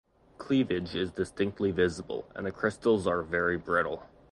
Cleavage is distinctly visible, and the crystals are very brittle.